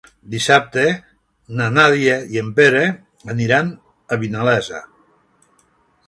Dissabte na Nàdia i en Pere aniran a Vinalesa.